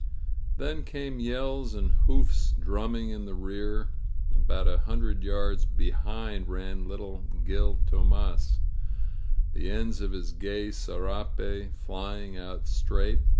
Then came yells and hoofs drumming in the rear. About a hundred yards behind ran little Gil Tomas, the ends of his gay serape flying out straight.